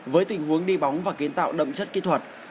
với tình huống đi bóng và kiến tạo đậm chất kỹ thuật